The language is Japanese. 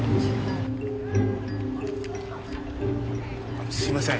あのすいません。